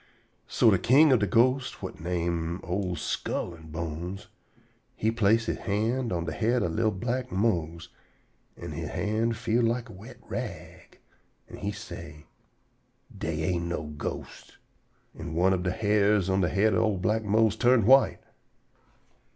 So de king ob de ghosts, whut name old Skull an' Bones, he place he hand on de head ob li'l black Mose, an' he hand feel like a wet rag, an' he say: "Dey ain't no ghosts." An' one ob de hairs whut on de head ob li'l black Mose turn white.